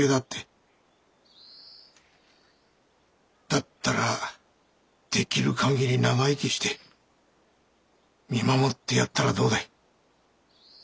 だったらできる限り長生きして見守ってやったらどうだい？